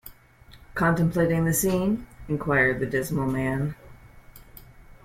‘Contemplating the scene?’ inquired the dismal man.